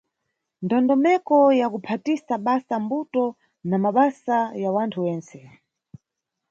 Ndondomeko ya Kuphatisa basa mbuto na Mabasa ya wanthu wentse.